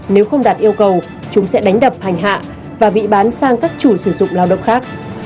nếu không đạt yêu cầu chúng sẽ đánh đập hành hạ và bị bán sang các chủ sử dụng lao động khác